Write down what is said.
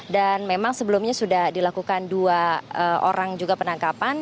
dan memang sebelumnya sudah dilakukan dua orang penangkapan